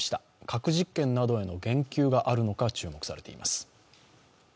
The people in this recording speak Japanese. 核実験などへの言及があるのか注目されています。